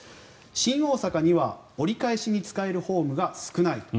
新大阪には折り返しに使えるホームが少ないと。